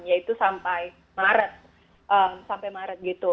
yaitu sampai maret